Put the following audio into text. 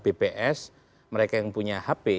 bps mereka yang punya hp